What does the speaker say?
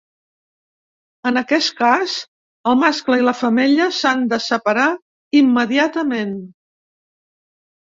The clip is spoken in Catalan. En aquest cas, el mascle i la femella s'han de separar immediatament.